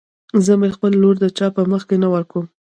زه مې خپله لور د چا په مخکې نه ورکم.